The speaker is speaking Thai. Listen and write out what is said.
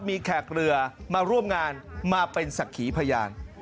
มีแขกเรือมาร่วมงานมาเป็นศักดิ์ขีพยาน